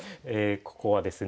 ここはですね